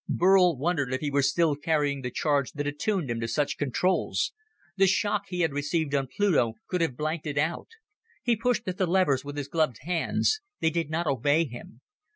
Burl wondered if he were still carrying the charge that attuned him to such controls. The shock he had received on Pluto could have blanked it out. He pushed at the levers with his gloved hands. They did not obey him.